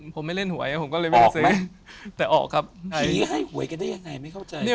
ผีให้หวยกันได้ยังไงไม่เข้าใจ